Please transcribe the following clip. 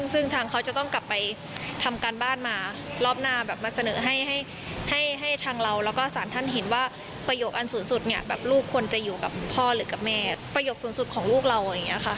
ซึ่งทางเขาจะต้องกลับไปทำการบ้านมารอบหน้าแบบมาเสนอให้ทางเราแล้วก็สารท่านเห็นว่าประโยคอันสูงสุดเนี่ยแบบลูกควรจะอยู่กับพ่อหรือกับแม่ประโยคสูงสุดของลูกเราอย่างนี้ค่ะ